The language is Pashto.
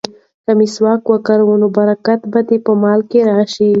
که مسواک وکاروې نو برکت به دې په مال کې راشي.